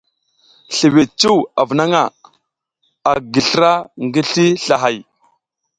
Sliwiɗ cuw avunaƞʼha, a gi slra ngi sli slahay.